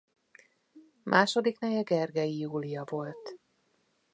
Második neje Gergelyi Júlia volt.